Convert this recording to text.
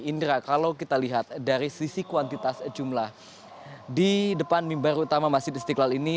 indra kalau kita lihat dari sisi kuantitas jumlah di depan mimbar utama masjid istiqlal ini